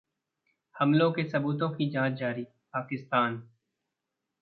हमलों के सबूतों की जांच जारी: पाकिस्तान